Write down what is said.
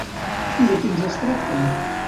I de quins es tracten?